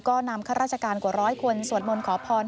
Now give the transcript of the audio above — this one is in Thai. ก็นำข้าราชการกว่าร้อยคนสวดมนต์ขอพร